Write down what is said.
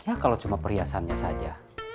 ya kalau cuma perhiasannya saja